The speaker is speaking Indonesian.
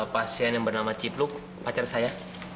pasien yang bernama cipluk pacar saya